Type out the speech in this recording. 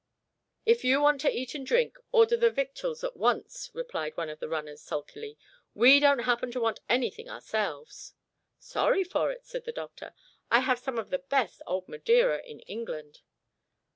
"If you want to eat and drink, order the victuals at once," replied one of the runners, sulkily. "We don't happen to want anything ourselves." "Sorry for it," said the doctor. "I have some of the best old Madeira in England."